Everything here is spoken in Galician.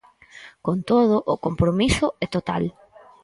Con todo, o compromiso é total.